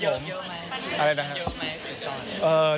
เยอะไหมสินสอด